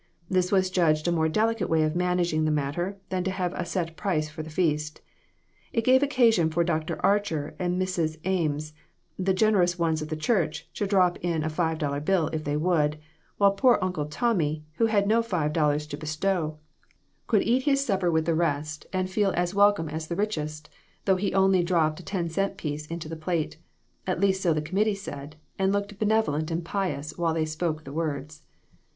This was judged a more delicate way of managing the matter than to have a set price for the feast. It gave occa sion for Dr. Archer and Mrs. Eames, the gener ous ones of the church, to drop in a five dollar bill if they would, while poor Uncle Tommy, who had no five dollars to bestow, could eat his supper CROSS LOTS. 2O5 with the rest, and feel as welcome as the richest, though he only dropped a ten cent piece into the plate ; at least so the committee said, and looked benevolent and pious while they spoke the words.